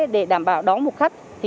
để đảm bảo đón một khách